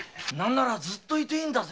ずっと居てもいいんだぜ。